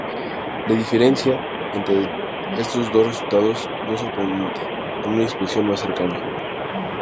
La diferencia entre estos dos resultados no es sorprendente en una inspección más cercana.